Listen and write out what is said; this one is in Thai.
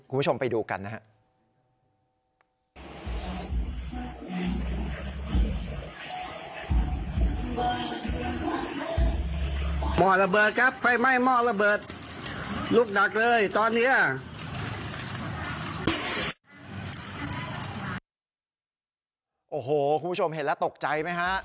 โอ้โฮคุณผู้ชมเห็นแล้วตกใจไหมฮะ